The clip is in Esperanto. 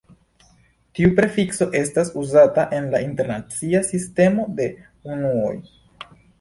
Tiu prefikso estas uzata en la internacia sistemo de unuoj.